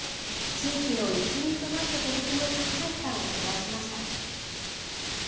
地域の一員となって取り組む高橋さんを取材しました。